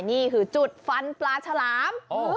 นี่คือจุดฟันปลาฉลาม